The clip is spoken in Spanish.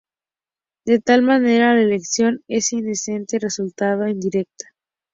De tal manera, la elección del Intendente resultaba "indirecta".